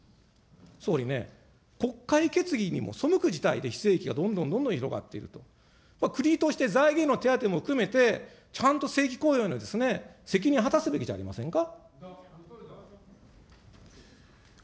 総理ね、国会決議にも背く事態でどんどんどんどん広がっていくと、国として財源の手当ても含めて、ちゃんと正規雇用の責任果たすべきじゃありませんか。